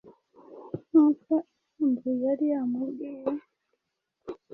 nk'uko Impamvu yari yamubwiye.